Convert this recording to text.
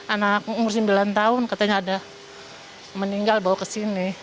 anak umur sembilan tahun katanya ada meninggal bawa ke sini